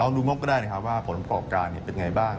แล้วลองดูงบก็ได้ว่าผลประกอบการเป็นอย่างไรบ้าง